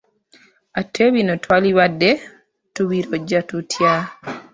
Ate bino twalibadde tubirojja tutya?